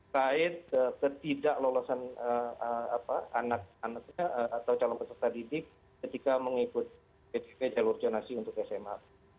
kait ketidaklolosan anak anaknya atau calon peserta didik ketika mengikut jalur jonasi untuk sma